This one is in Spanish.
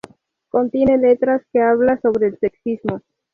Contiene letras que habla sobre el sexismo.